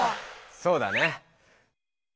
そうだね。